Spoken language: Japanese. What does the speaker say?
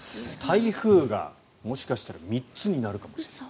台風がもしかしたら３つにあるかもしれない。